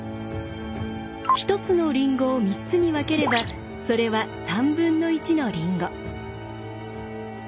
１つのりんごを３つに分ければそれは３分の１のりんご。